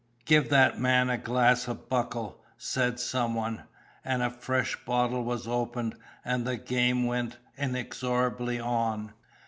"Give that man a glass of Buckle," said some one, and a fresh bottle was opened, and the game went inexorably on.